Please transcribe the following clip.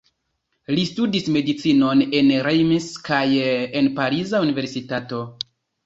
Li studis medicinon en Reims kaj en pariza universitato.